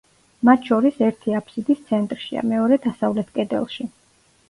მათ შორის ერთი აფსიდის ცენტრშია, მეორე დასავლეთ კედელში.